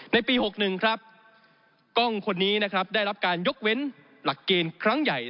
ในปี๖๑ครับกล้องคนนี้นะครับได้รับการยกเว้นหลักเกณฑ์ครั้งใหญ่